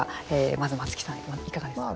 まず松木さん、今のいかがですか。